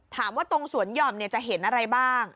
ถามว่าตรงสวนยอมเนี่ยจะเห็นอะไรบ้าง